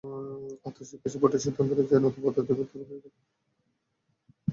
আন্তশিক্ষা বোর্ডের সিদ্ধান্ত অনুযায়ী, নতুন ভর্তি প্রক্রিয়ার কাজটি করবে ঢাকা শিক্ষা বোর্ড।